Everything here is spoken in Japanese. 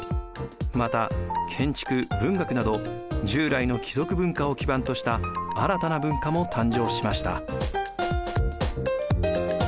また建築・文学など従来の貴族文化を基盤とした新たな文化も誕生しました。